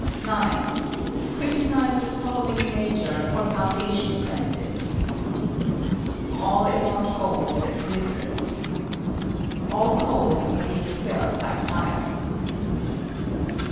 9. Criticise the following major, or foundation, premises: All is not gold that glitters. All cold may be expelled by fire.